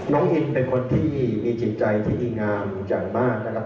น้องอินเป็นคนที่มีจิตใจที่ดีงามอยู่จากมาก